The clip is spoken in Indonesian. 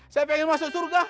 saya pengen masuk surga